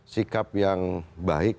sikap yang baik